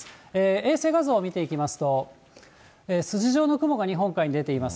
衛星画像を見ていきますと、筋状の雲が日本海に出ています。